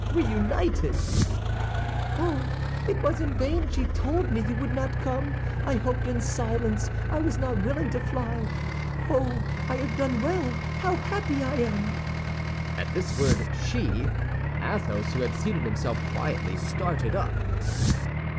Reunited!" "Oh, it was in vain she told me you would not come! I hoped in silence. I was not willing to fly. Oh, I have done well! How happy I am!" At this word she, Athos, who had seated himself quietly, started up.